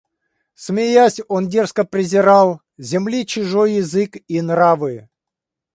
Смеясь, он дерзко презирал Земли чужой язык и нравы;